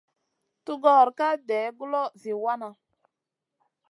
Tugor ka day guloʼo zi wana.